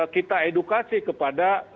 kita edukasi kepada